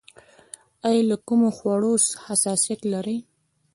ایا له کومو خوړو حساسیت لرئ؟